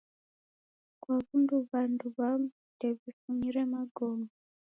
Kwa w'undu w'andu w'amu ndew'ifunyire magome